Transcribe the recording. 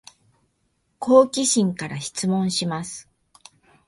好奇心から質問します